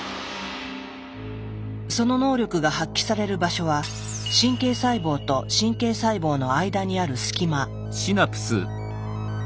その能力が発揮される場所は神経細胞と神経細胞の間にある隙間。